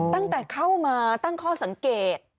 ตั้งแต่เข้ามาตั้งข้อสังเกต